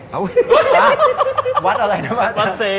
วัดอะไรนะวัดบาเจอ